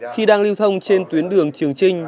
khi đang lưu thông trên tuyến đường trường trinh